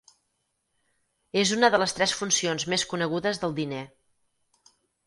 És una de les tres funcions més conegudes del diner.